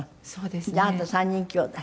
じゃああなた３人きょうだい？